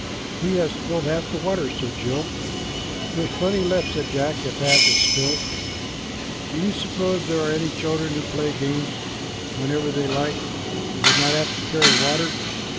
"We have spilled half the water," said Jill. "There's plenty left," said Jack, "if half is spilled." "Do you suppose there are any children who play games whenever they like and do not have to carry water?"